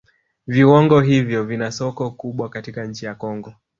Viuongo hivyo vina soko kubwa katika nchi ya Kongo